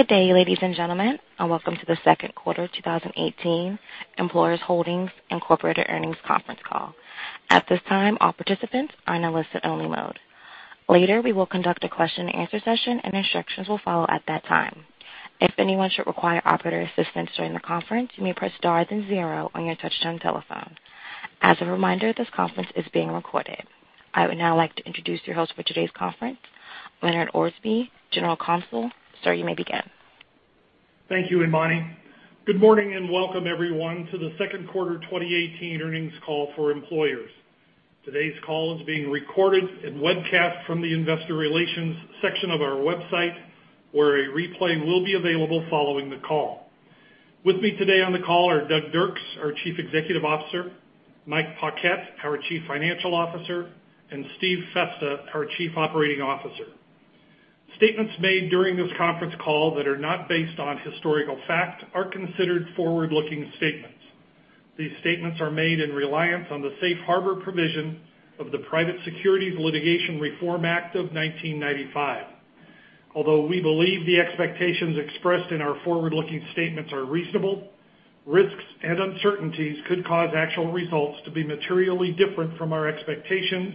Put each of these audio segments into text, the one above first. Good day, ladies and gentlemen, welcome to the second quarter 2018 Employers Holdings Incorporated earnings conference call. At this time, all participants are in a listen only mode. Later, we will conduct a question and answer session, and instructions will follow at that time. If anyone should require operator assistance during the conference, you may press star then zero on your touchtone telephone. As a reminder, this conference is being recorded. I would now like to introduce your host for today's conference, Lenard Ormsby, General Counsel. Sir, you may begin. Thank you, Imani. Good morning, welcome everyone to the second quarter 2018 earnings call for Employers. Today's call is being recorded and webcast from the investor relations section of our website, where a replay will be available following the call. With me today on the call are Doug Dirks, our Chief Executive Officer, Mike Paquette, our Chief Financial Officer, and Steve Festa, our Chief Operating Officer. Statements made during this conference call that are not based on historical fact are considered forward-looking statements. These statements are made in reliance on the safe harbor provision of the Private Securities Litigation Reform Act of 1995. Although we believe the expectations expressed in our forward-looking statements are reasonable, risks and uncertainties could cause actual results to be materially different from our expectations,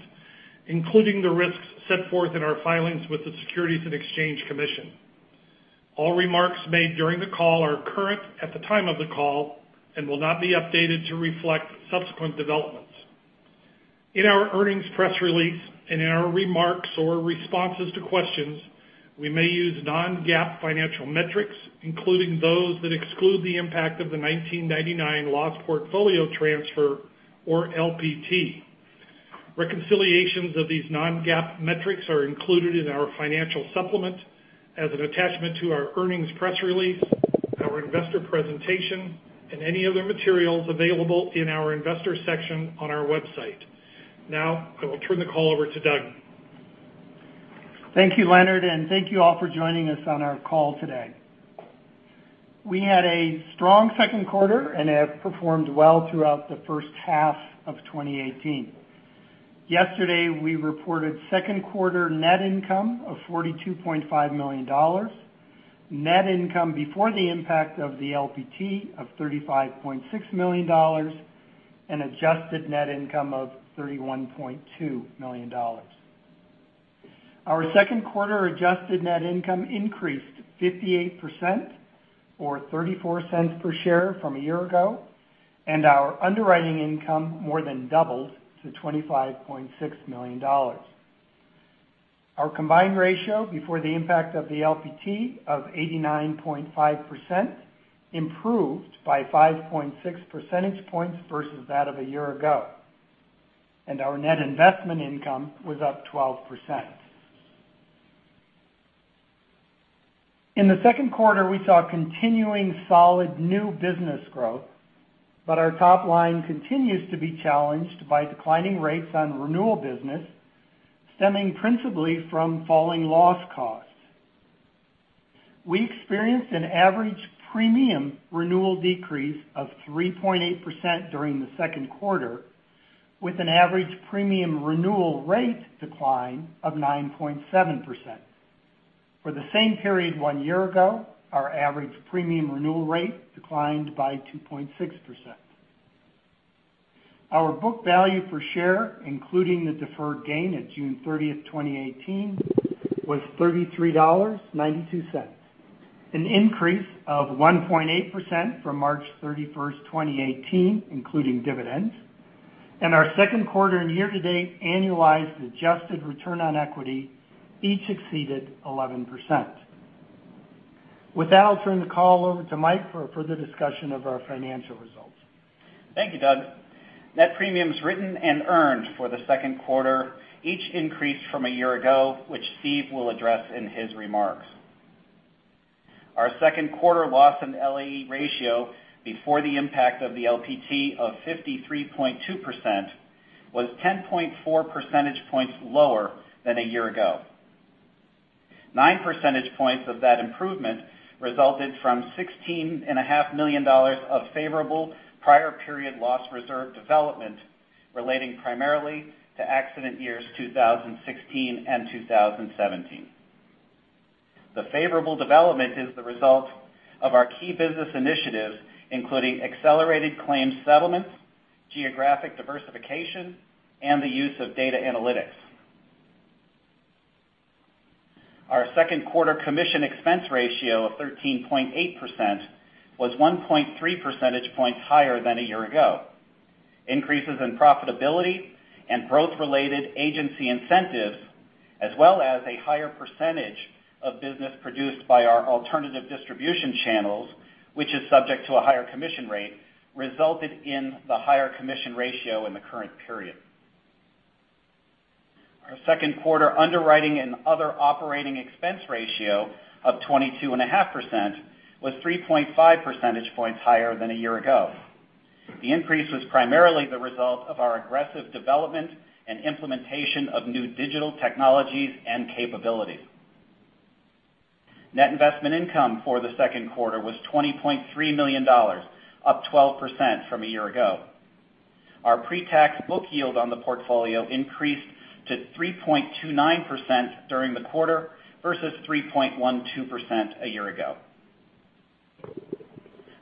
including the risks set forth in our filings with the Securities and Exchange Commission. All remarks made during the call are current at the time of the call and will not be updated to reflect subsequent developments. In our earnings press release and in our remarks or responses to questions, we may use non-GAAP financial metrics, including those that exclude the impact of the 1999 loss portfolio transfer, or LPT. Reconciliations of these non-GAAP metrics are included in our financial supplement as an attachment to our earnings press release, our investor presentation, and any other materials available in our investor section on our website. I will turn the call over to Doug. Thank you, Lenard, thank you all for joining us on our call today. We had a strong second quarter, have performed well throughout the first half of 2018. Yesterday, we reported second quarter net income of $42.5 million, net income before the impact of the LPT of $35.6 million, adjusted net income of $31.2 million. Our second quarter adjusted net income increased 58%, or $0.34 per share from a year ago, our underwriting income more than doubled to $25.6 million. Our combined ratio before the impact of the LPT of 89.5% improved by 5.6 percentage points versus that of a year ago, our net investment income was up 12%. In the second quarter, we saw continuing solid new business growth, our top line continues to be challenged by declining rates on renewal business, stemming principally from falling loss costs. We experienced an average premium renewal decrease of 3.8% during the second quarter, with an average premium renewal rate decline of 9.7%. For the same period one year ago, our average premium renewal rate declined by 2.6%. Our book value per share, including the deferred gain at June 30th, 2018, was $33.92, an increase of 1.8% from March 31st, 2018, including dividends, and our second quarter and year-to-date annualized adjusted return on equity each exceeded 11%. With that, I'll turn the call over to Mike for further discussion of our financial results. Thank you, Doug. Net premiums written and earned for the second quarter each increased from a year ago, which Steve will address in his remarks. Our second quarter loss and LAE ratio before the impact of the LPT of 53.2% was 10.4 percentage points lower than a year ago. Nine percentage points of that improvement resulted from $16.5 million of favorable prior period loss reserve development relating primarily to accident years 2016 and 2017. The favorable development is the result of our key business initiatives, including accelerated claims settlements, geographic diversification, and the use of data analytics. Our second quarter commission expense ratio of 13.8% was 1.3 percentage points higher than a year ago. Increases in profitability and growth-related agency incentives, as well as a higher percentage of business produced by our alternative distribution channels, which is subject to a higher commission rate, resulted in the higher commission ratio in the current period. Our second quarter underwriting and other operating expense ratio of 22.5% was 3.5 percentage points higher than a year ago. The increase was primarily the result of our aggressive development and implementation of new digital technologies and capabilities. Net investment income for the second quarter was $20.3 million, up 12% from a year ago. Our pre-tax book yield on the portfolio increased to 3.29% during the quarter versus 3.12% a year ago.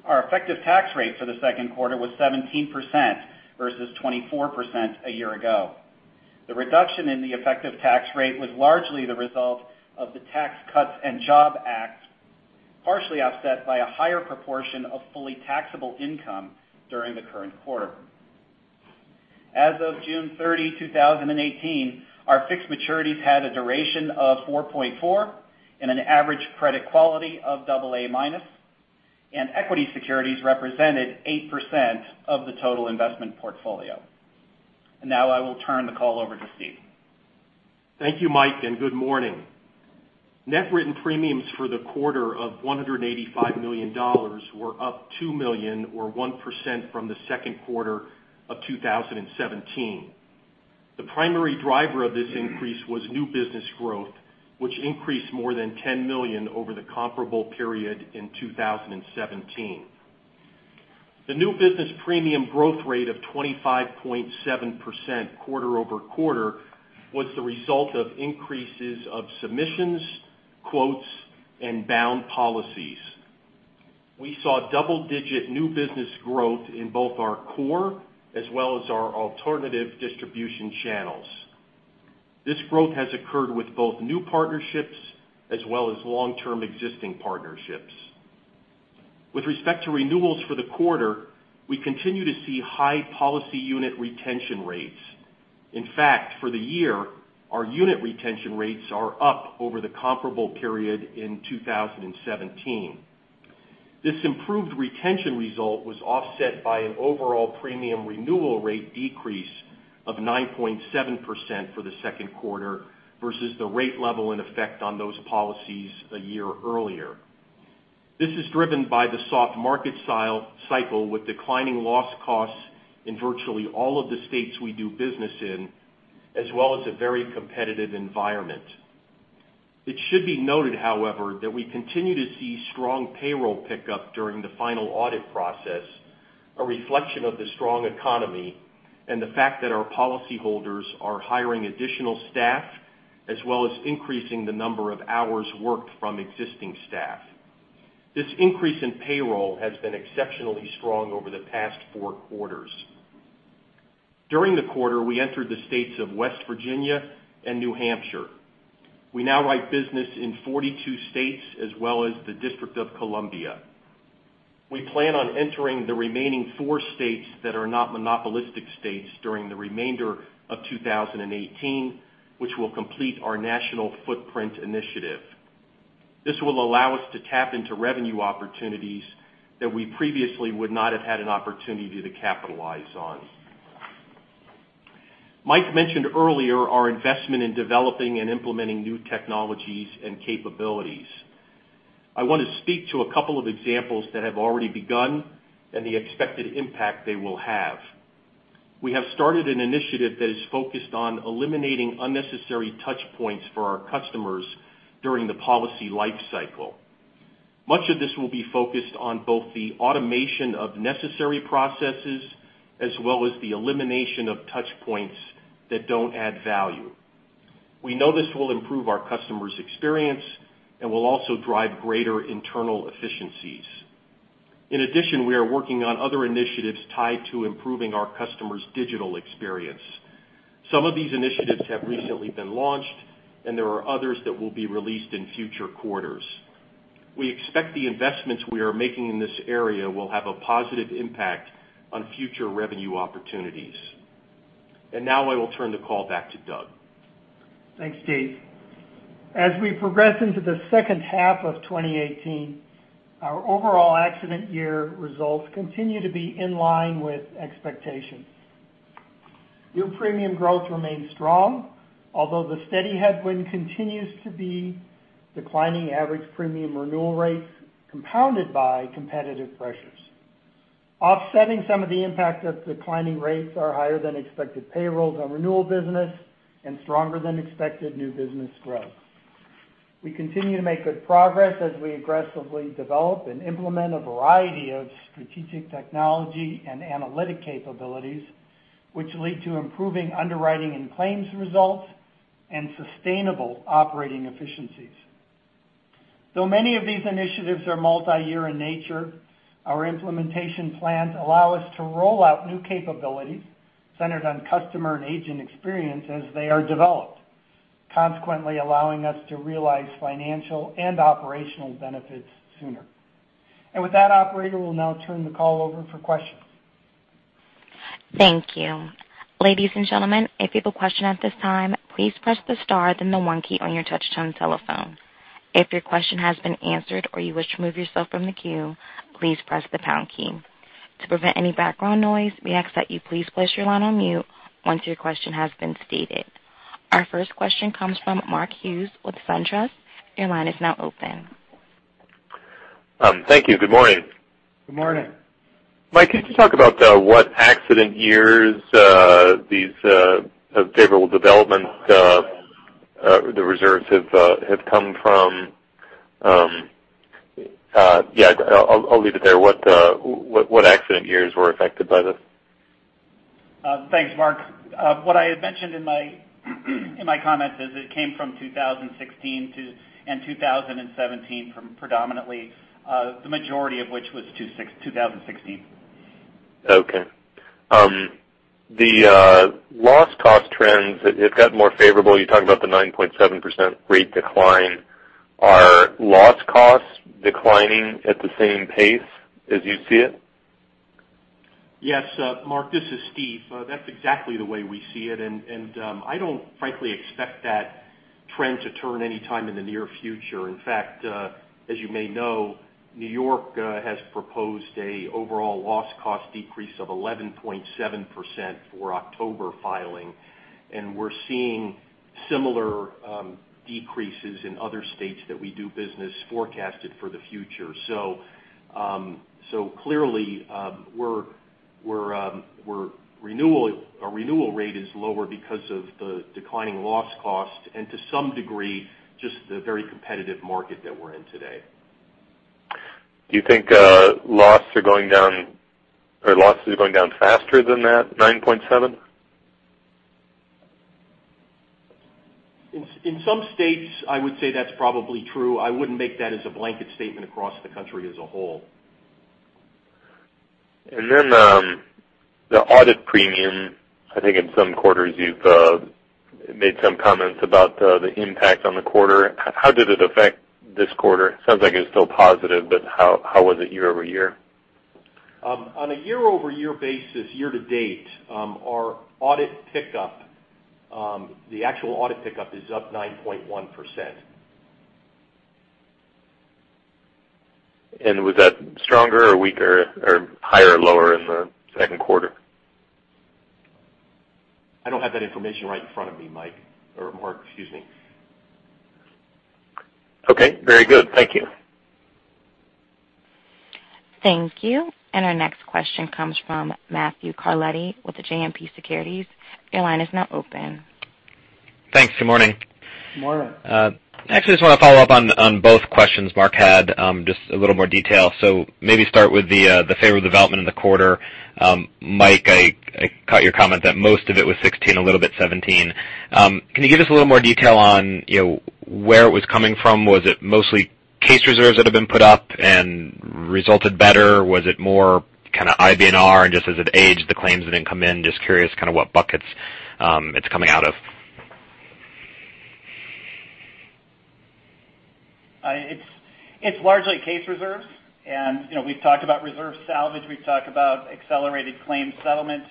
Our effective tax rate for the second quarter was 17% versus 24% a year ago. The reduction in the effective tax rate was largely the result of the Tax Cuts and Jobs Act, partially offset by a higher proportion of fully taxable income during the current quarter. As of June 30, 2018, our fixed maturities had a duration of 4.4 and an average credit quality of double A minus, and equity securities represented 8% of the total investment portfolio. Now I will turn the call over to Steve. Thank you, Mike, and good morning. Net written premiums for the quarter of $185 million were up $2 million or 1% from the second quarter of 2017. The primary driver of this increase was new business growth, which increased more than $10 million over the comparable period in 2017. The new business premium growth rate of 25.7% quarter-over-quarter was the result of increases of submissions, quotes, and bound policies. We saw double-digit new business growth in both our core as well as our alternative distribution channels. This growth has occurred with both new partnerships as well as long-term existing partnerships. With respect to renewals for the quarter, we continue to see high policy unit retention rates. In fact, for the year, our unit retention rates are up over the comparable period in 2017. This improved retention result was offset by an overall premium renewal rate decrease of 9.7% for the second quarter versus the rate level in effect on those policies a year earlier. This is driven by the soft market cycle with declining loss costs in virtually all of the states we do business in, as well as a very competitive environment. It should be noted, however, that we continue to see strong payroll pickup during the final audit process, a reflection of the strong economy, and the fact that our policyholders are hiring additional staff, as well as increasing the number of hours worked from existing staff. This increase in payroll has been exceptionally strong over the past four quarters. During the quarter, we entered the states of West Virginia and New Hampshire. We now write business in 42 states as well as the District of Columbia. We plan on entering the remaining four states that are not monopolistic states during the remainder of 2018, which will complete our national footprint initiative. This will allow us to tap into revenue opportunities that we previously would not have had an opportunity to capitalize on. Mike mentioned earlier our investment in developing and implementing new technologies and capabilities. I want to speak to a couple of examples that have already begun and the expected impact they will have. We have started an initiative that is focused on eliminating unnecessary touchpoints for our customers during the policy life cycle. Much of this will be focused on both the automation of necessary processes, as well as the elimination of touchpoints that don't add value. We know this will improve our customer's experience and will also drive greater internal efficiencies. We are working on other initiatives tied to improving our customer's digital experience. Some of these initiatives have recently been launched. There are others that will be released in future quarters. We expect the investments we are making in this area will have a positive impact on future revenue opportunities. Now I will turn the call back to Doug. Thanks, Steve. As we progress into the second half of 2018, our overall accident year results continue to be in line with expectations. New premium growth remains strong, although the steady headwind continues to be declining average premium renewal rates compounded by competitive pressures. Offsetting some of the impact of declining rates are higher than expected payrolls on renewal business and stronger than expected new business growth. We continue to make good progress as we aggressively develop and implement a variety of strategic technology and analytic capabilities, which lead to improving underwriting and claims results and sustainable operating efficiencies. Though many of these initiatives are multi-year in nature, our implementation plans allow us to roll out new capabilities centered on customer and agent experience as they are developed, consequently allowing us to realize financial and operational benefits sooner. With that, operator, we'll now turn the call over for questions. Thank you. Ladies and gentlemen, if you have a question at this time, please press the star then the one key on your touchtone telephone. If your question has been answered or you wish to remove yourself from the queue, please press the pound key. To prevent any background noise, we ask that you please place your line on mute once your question has been stated. Our first question comes from Mark Hughes with SunTrust. Your line is now open. Thank you. Good morning. Good morning. Mike, could you talk about what accident years these favorable developments, the reserves have come from? Yeah, I'll leave it there. What accident years were affected by this? Thanks, Mark. What I had mentioned in my comments is it came from 2016 and 2017 predominantly, the majority of which was 2016. Okay. The loss cost trends have gotten more favorable. You talked about the 9.7% rate decline. Are loss costs declining at the same pace as you see it? Yes. Mark, this is Steve. That's exactly the way we see it, I don't frankly expect that trend to turn any time in the near future. In fact, as you may know, New York has proposed an overall loss cost decrease of 11.7% for October filing, and we're seeing similar decreases in other states that we do business forecasted for the future. Clearly, our renewal rate is lower because of the declining loss cost, and to some degree, just the very competitive market that we're in today. Do you think losses are going down faster than that 9.7%? In some states, I would say that's probably true. I wouldn't make that as a blanket statement across the country as a whole. The audit premium, I think in some quarters, you've made some comments about the impact on the quarter. How did it affect this quarter? It sounds like it's still positive, but how was it year-over-year? On a year-over-year basis, year to date, our audit pickup, the actual audit pickup is up 9.1%. Was that stronger or weaker, or higher or lower in the second quarter? I don't have that information right in front of me, Mark. Okay. Very good. Thank you. Thank you. Our next question comes from Matthew Carletti with JMP Securities. Your line is now open. Thanks. Good morning. Good morning. Actually, I just want to follow up on both questions Mark had, just a little more detail. Maybe start with the favorable development in the quarter. Mike, I caught your comment that most of it was 2016, a little bit 2017. Can you give us a little more detail on where it was coming from? Was it mostly case reserves that have been put up and resulted better? Was it more kind of IBNR and just as it aged, the claims that then come in? Just curious kind of what buckets it's coming out of. It's largely case reserves, and we've talked about reserve salvage, we've talked about accelerated claims settlement,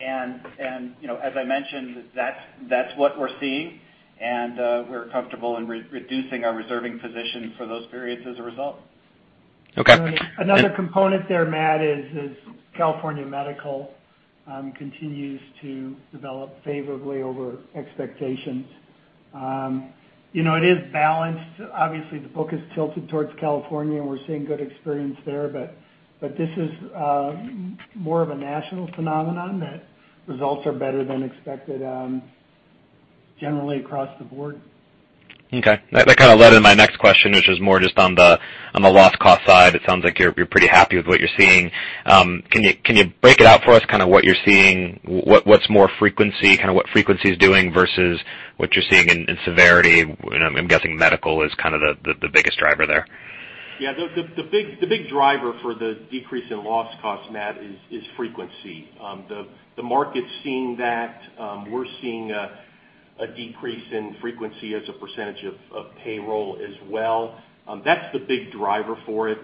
and as I mentioned, that's what we're seeing, and we're comfortable in reducing our reserving position for those periods as a result. Okay. Another component there, Matt, is California Medical continues to develop favorably over expectations. It is balanced. Obviously, the book is tilted towards California, and we're seeing good experience there, but this is more of a national phenomenon, that results are better than expected generally across the board. Okay. That kind of led into my next question, which is more just on the loss cost side. It sounds like you're pretty happy with what you're seeing. Can you break it out for us, kind of what you're seeing, what's more frequency, kind of what frequency's doing versus what you're seeing in severity? I'm guessing medical is kind of the biggest driver there. Yeah. The big driver for the decrease in loss cost, Matt, is frequency. The market's seeing that. We're seeing a decrease in frequency as a percentage of payroll as well. That's the big driver for it.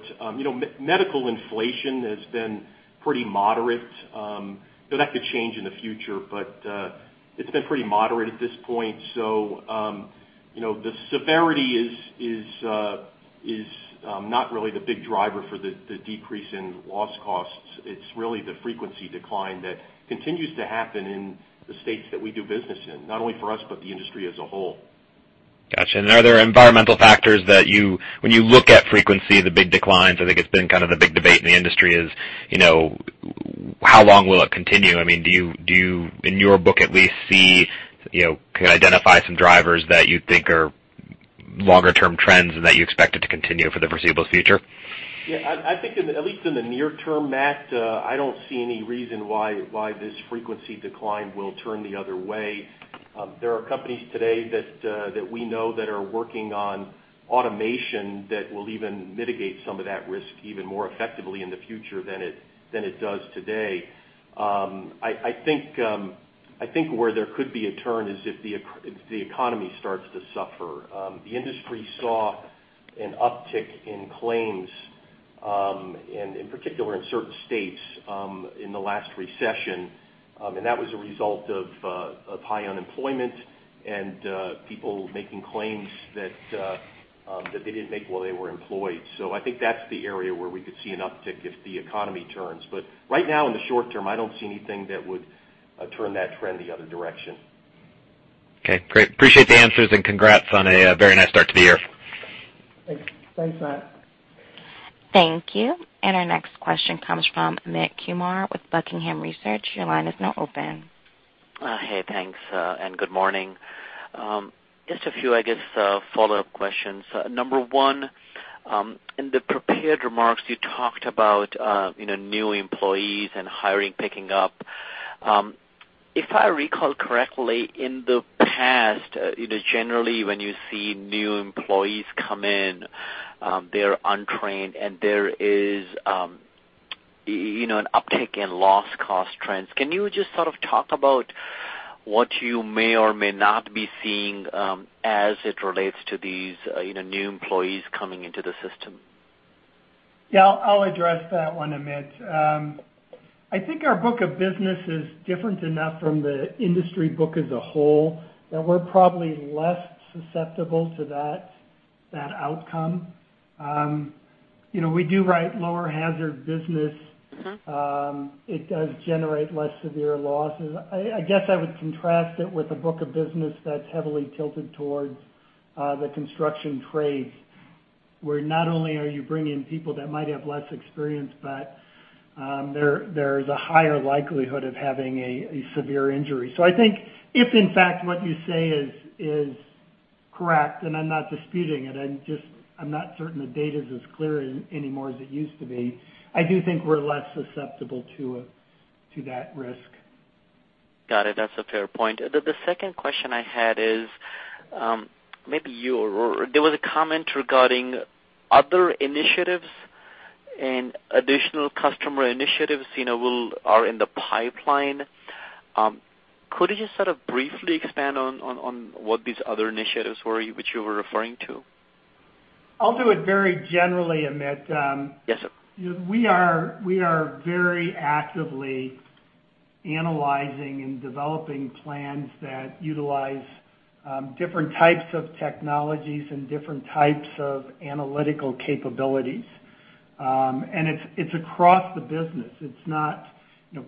Medical inflation has been pretty moderate. That could change in the future, but it's been pretty moderate at this point. The severity is not really the big driver for the decrease in loss costs. It's really the frequency decline that continues to happen in the states that we do business in, not only for us, but the industry as a whole. Got you. Are there environmental factors that when you look at frequency, the big declines, I think it's been kind of the big debate in the industry is, how long will it continue? I mean, do you, in your book at least, see, can identify some drivers that you think are longer-term trends and that you expect it to continue for the foreseeable future? Yeah, I think at least in the near term, Matt, I don't see any reason why this frequency decline will turn the other way. There are companies today that we know that are working on automation that will even mitigate some of that risk even more effectively in the future than it does today. I think where there could be a turn is if the economy starts to suffer. The industry saw an uptick in claims, and in particular, in certain states, in the last recession, and that was a result of high unemployment and people making claims that they didn't make while they were employed. I think that's the area where we could see an uptick if the economy turns. Right now, in the short term, I don't see anything that would turn that trend the other direction. Okay, great. Appreciate the answers. Congrats on a very nice start to the year. Thanks. Thanks, Matt. Thank you. Our next question comes from Amit Kumar with Buckingham Research. Your line is now open. Hey, thanks, and good morning. Just a few, I guess, follow-up questions. Number 1, in the prepared remarks you talked about new employees and hiring picking up. If I recall correctly, in the past, generally when you see new employees come in, they're untrained and there is an uptick in loss cost trends. Can you just talk about what you may or may not be seeing as it relates to these new employees coming into the system? Yeah, I'll address that one, Amit. I think our book of business is different enough from the industry book as a whole that we're probably less susceptible to that outcome. We do write lower hazard business. It does generate less severe losses. I guess I would contrast it with a book of business that's heavily tilted towards the construction trades, where not only are you bringing people that might have less experience, but there's a higher likelihood of having a severe injury. I think if in fact what you say is correct, and I'm not disputing it, I'm not certain the data's as clear anymore as it used to be. I do think we're less susceptible to that risk. Got it. That's a fair point. The second question I had is, maybe you or. There was a comment regarding other initiatives and additional customer initiatives are in the pipeline. Could you just briefly expand on what these other initiatives were which you were referring to? I'll do it very generally, Amit. Yes, sir. We are very actively analyzing and developing plans that utilize different types of technologies and different types of analytical capabilities. It's across the business. It's not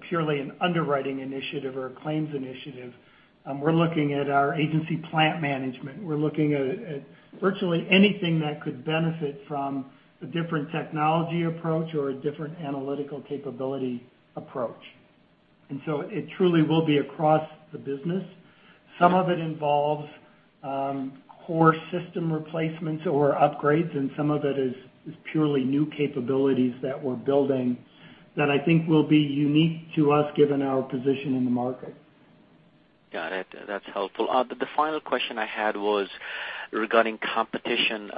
purely an underwriting initiative or a claims initiative. We're looking at our agency plant management. We're looking at virtually anything that could benefit from a different technology approach or a different analytical capability approach. It truly will be across the business. Some of it involves core system replacements or upgrades, and some of it is purely new capabilities that we're building that I think will be unique to us given our position in the market. Got it. That's helpful. The final question I had was regarding competition.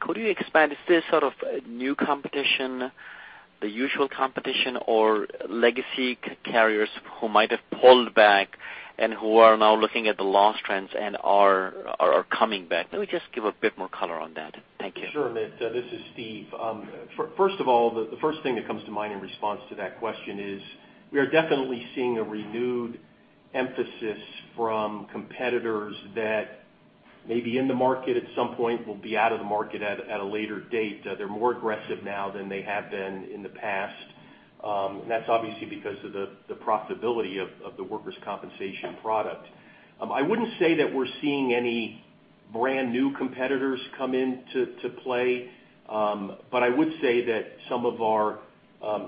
Could you expand, is this sort of new competition, the usual competition, or legacy carriers who might have pulled back and who are now looking at the loss trends and are coming back? Maybe just give a bit more color on that. Thank you. Sure, Amit. This is Steve. First of all, the first thing that comes to mind in response to that question is we are definitely seeing a renewed emphasis from competitors that may be in the market at some point, will be out of the market at a later date. They're more aggressive now than they have been in the past. That's obviously because of the profitability of the workers' compensation product. I wouldn't say that we're seeing any brand-new competitors come into play. I would say that some of our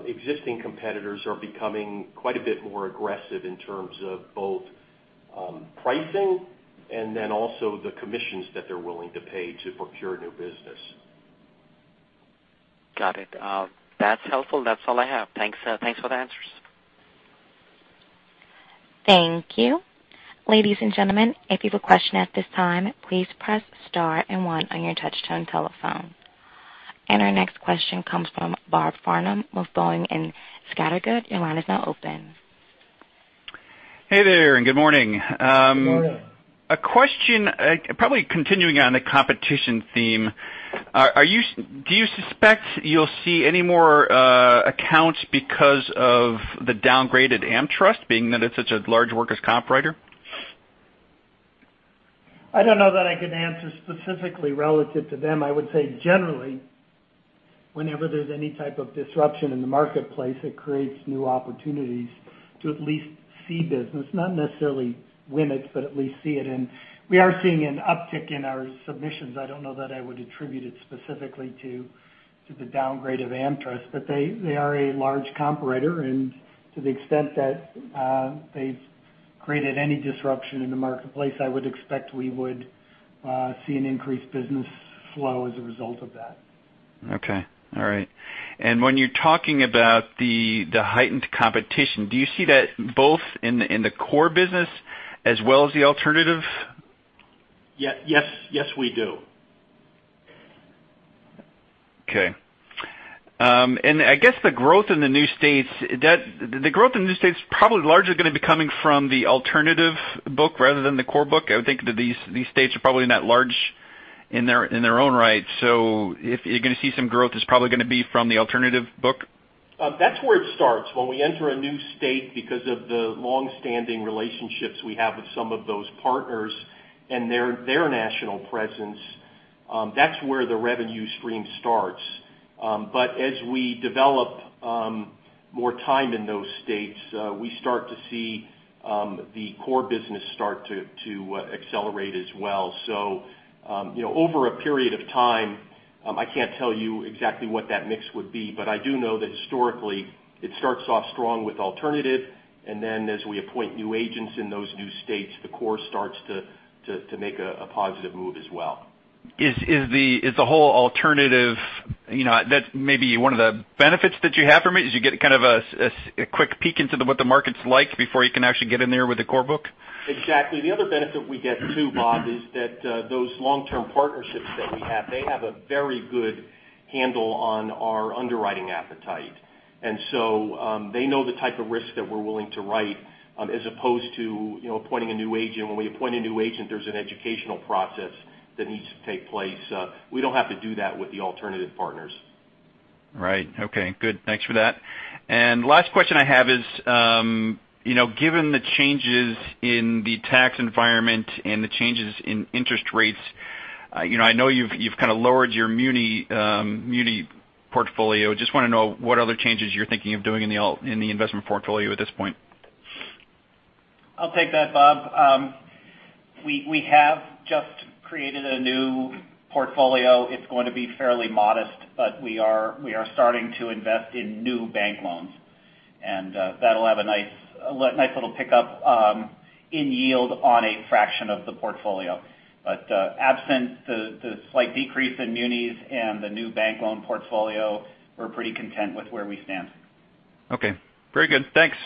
existing competitors are becoming quite a bit more aggressive in terms of both pricing and then also the commissions that they're willing to pay to procure new business. Got it. That's helpful. That's all I have. Thanks for the answers. Thank you. Ladies and gentlemen, if you have a question at this time, please press star and one on your touch-tone telephone. Our next question comes from Robert Farnam of Boenning & Scattergood. Your line is now open. Hey there, and good morning. Good morning. A question, probably continuing on the competition theme. Do you suspect you'll see any more accounts because of the downgraded AmTrust, being that it's such a large workers' comp writer? I don't know that I can answer specifically relative to them. I would say generally, whenever there's any type of disruption in the marketplace, it creates new opportunities to at least see business, not necessarily win it, but at least see it. We are seeing an uptick in our submissions. I don't know that I would attribute it specifically to the downgrade of AmTrust, but they are a large comp writer. To the extent that they've created any disruption in the marketplace, I would expect we would see an increased business flow as a result of that. Okay. All right. When you're talking about the heightened competition, do you see that both in the core business as well as the alternative? Yes, we do. Okay. I guess the growth in the new states, probably largely going to be coming from the alternative book rather than the core book. I would think that these states are probably not large in their own right. If you're going to see some growth, it's probably going to be from the alternative book? That's where it starts. When we enter a new state because of the longstanding relationships we have with some of those partners and their national presence, that's where the revenue stream starts. As we develop more time in those states, we start to see the core business start to accelerate as well. Over a period of time I can't tell you exactly what that mix would be, but I do know that historically, it starts off strong with alternative, and then as we appoint new agents in those new states, the core starts to make a positive move as well. Is the whole alternative, that may be one of the benefits that you have from it, is you get kind of a quick peek into what the market's like before you can actually get in there with a core book? Exactly. The other benefit we get too, Bob, is that those long-term partnerships that we have, they have a very good handle on our underwriting appetite. So, they know the type of risk that we're willing to write, as opposed to appointing a new agent. When we appoint a new agent, there's an educational process that needs to take place. We don't have to do that with the alternative partners. Right. Okay, good. Thanks for that. Last question I have is, given the changes in the tax environment and the changes in interest rates, I know you've kind of lowered your muni portfolio. Just want to know what other changes you're thinking of doing in the investment portfolio at this point. I'll take that, Bob. We have just created a new portfolio. It's going to be fairly modest, we are starting to invest in new bank loans. That'll have a nice little pickup in yield on a fraction of the portfolio. Absent the slight decrease in munis and the new bank loan portfolio, we're pretty content with where we stand. Okay. Very good. Thanks.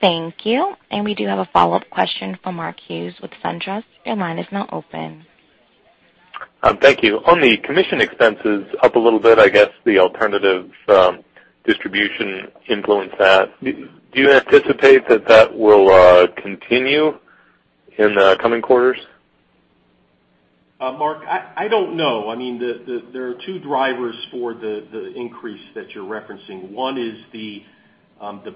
Thank you. We do have a follow-up question from Mark Hughes with SunTrust. Your line is now open. Thank you. On the commission expenses up a little bit, I guess the alternative distribution influence that. Do you anticipate that that will continue in the coming quarters? Mark, I don't know. There are two drivers for the increase that you're referencing. One is the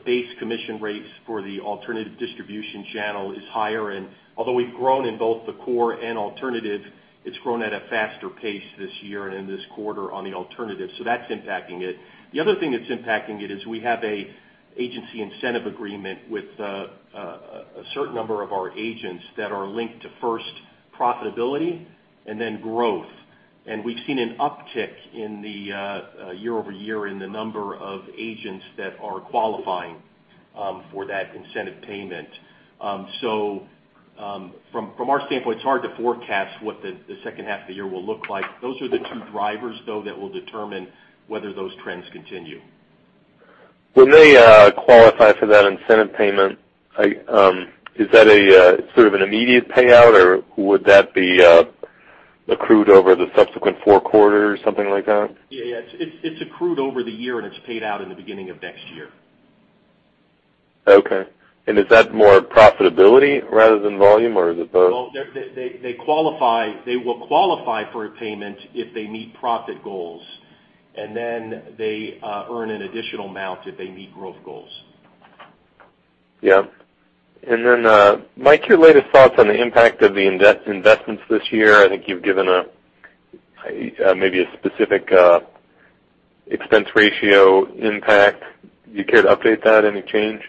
base commission rates for the alternative distribution channel is higher, although we've grown in both the core and alternative, it's grown at a faster pace this year and in this quarter on the alternative. That's impacting it. The other thing that's impacting it is we have an agency incentive agreement with a certain number of our agents that are linked to, first, profitability and then growth. We've seen an uptick in the year-over-year in the number of agents that are qualifying for that incentive payment. From our standpoint, it's hard to forecast what the second half of the year will look like. Those are the two drivers, though, that will determine whether those trends continue. When they qualify for that incentive payment, is that a sort of an immediate payout, or would that be accrued over the subsequent four quarters or something like that? Yeah. It's accrued over the year, and it's paid out in the beginning of next year. Okay. Is that more profitability rather than volume, or is it both? Well, they will qualify for a payment if they meet profit goals, and then they earn an additional amount if they meet growth goals. Yeah. Then, Mike, your latest thoughts on the impact of the investments this year. I think you've given maybe a specific expense ratio impact. You care to update that? Any change?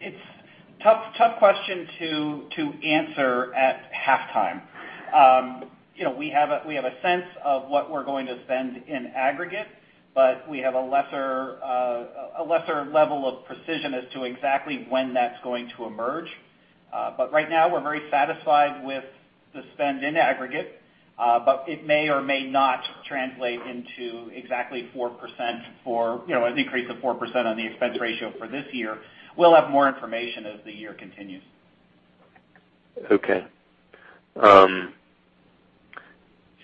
It's a tough question to answer at halftime. We have a sense of what we're going to spend in aggregate, but we have a lesser level of precision as to exactly when that's going to emerge. Right now, we're very satisfied with the spend in aggregate. It may or may not translate into exactly 4% for, an increase of 4% on the expense ratio for this year. We'll have more information as the year continues. Okay.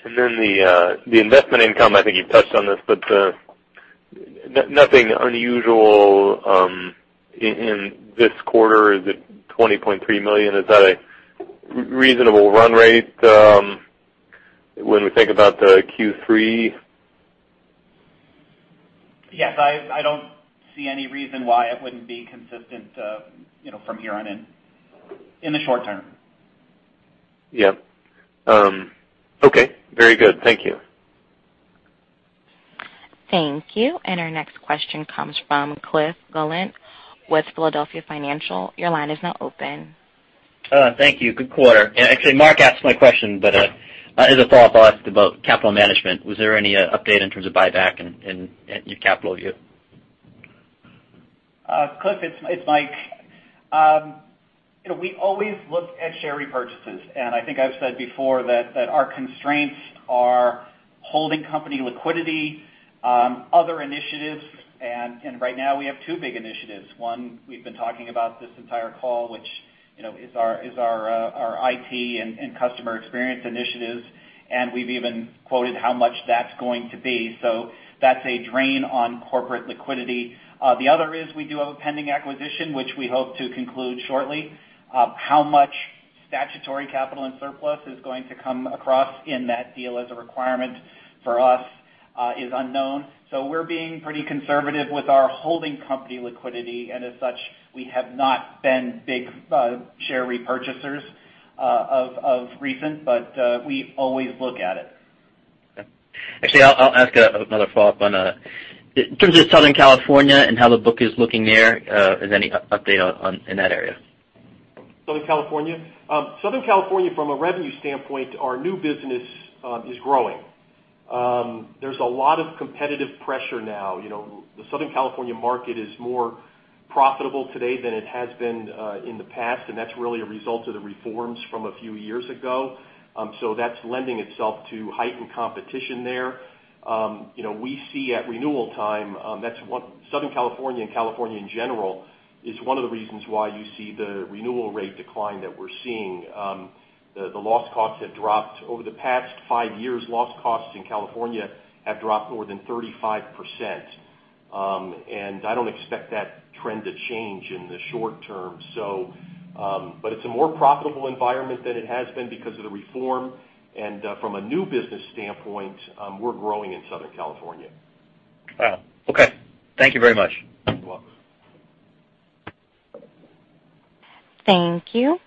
The investment income, I think you touched on this, but nothing unusual in this quarter. Is it $20.3 million? Is that a reasonable run rate, when we think about the Q3? Yes, I don't see any reason why it wouldn't be consistent from here on in the short term. Yeah. Okay. Very good. Thank you. Thank you. Our next question comes from Cliff Gallant with Philadelphia Financial. Your line is now open. Thank you. Good quarter. Actually, Mark asked my question, but as a follow-up, I'll ask about capital management. Was there any update in terms of buyback and your capital here? Cliff, it's Mike. We always look at share repurchases, and I think I've said before that our constraints are holding company liquidity, other initiatives, and right now we have two big initiatives. One we've been talking about this entire call, which is our IT and customer experience initiatives, and we've even quoted how much that's going to be. That's a drain on corporate liquidity. The other is we do have a pending acquisition, which we hope to conclude shortly. How much statutory capital and surplus is going to come across in that deal as a requirement for us is unknown. We're being pretty conservative with our holding company liquidity, and as such, we have not been big share repurchasers of recent, but we always look at it. Okay. Actually, I'll ask another follow-up on in terms of Southern California and how the book is looking there. Is there any update in that area? Southern California? Southern California, from a revenue standpoint, our new business is growing. There's a lot of competitive pressure now. The Southern California market is more profitable today than it has been in the past, and that's really a result of the reforms from a few years ago. That's lending itself to heightened competition there. We see at renewal time, Southern California and California in general is one of the reasons why you see the renewal rate decline that we're seeing. The loss costs have dropped. Over the past five years, loss costs in California have dropped more than 35%, and I don't expect that trend to change in the short term. It's a more profitable environment than it has been because of the reform. From a new business standpoint, we're growing in Southern California. Wow. Okay. Thank you very much. You're welcome. Thank you.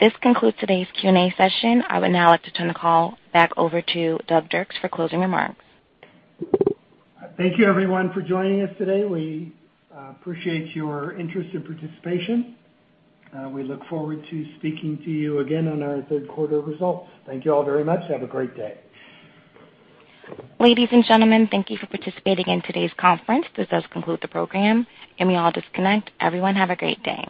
This concludes today's Q&A session. I would now like to turn the call back over to Doug Dirks for closing remarks. Thank you, everyone, for joining us today. We appreciate your interest and participation. We look forward to speaking to you again on our third quarter results. Thank you all very much. Have a great day. Ladies and gentlemen, thank you for participating in today's conference. This does conclude the program. You may all disconnect. Everyone have a great day.